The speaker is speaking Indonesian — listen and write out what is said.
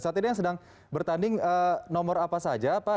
saat ini yang sedang bertanding nomor apa saja pak